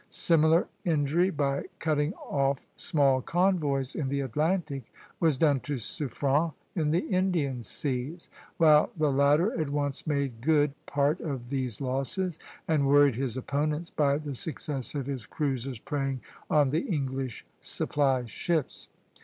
Similar injury, by cutting off small convoys in the Atlantic, was done to Suffren in the Indian seas: while the latter at once made good part of these losses, and worried his opponents by the success of his cruisers preying on the English supply ships.